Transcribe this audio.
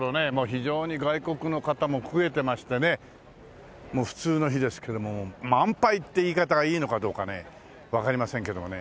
非常に外国の方も増えてましてね普通の日ですけども満杯って言い方がいいのかどうかねわかりませんけどもね